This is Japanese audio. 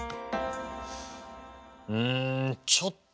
うんちょっと